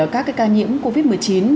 các cái ca nhiễm covid một mươi chín